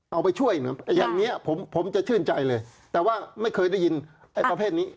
เอาไปช่วยนะอย่างนี้ผมจะชื่นใจเลยแต่ว่าไม่เคยได้ยินไอ้ประเภทนี้